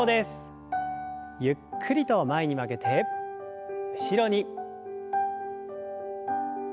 ゆっくりと前に曲げて後ろに。